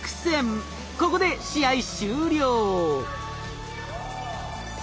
ここで試合終了。